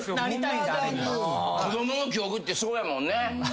子供の記憶ってそうやもんね。